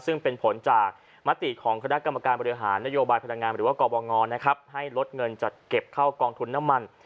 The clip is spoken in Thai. ซึ่งเป็นผลจากมติของคณะกรรมการบริหารนโยบายพลังงานหรือว่ากบงให้ลดเงินจัดเก็บเข้ากองทุนน้ำมัน